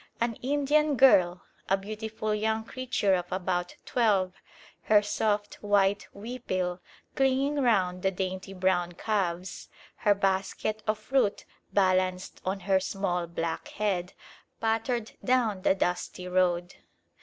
An Indian girl, a beautiful young creature of about twelve, her soft white huipil clinging round the dainty brown calves, her basket of fruit balanced on her small black head, pattered down the dusty road.